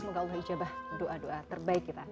semoga allah ijabah doa doa terbaik kita